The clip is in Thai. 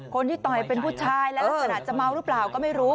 คนที่ต่อยเป็นผู้ชายลักษณะจะเมาหรือเปล่าก็ไม่รู้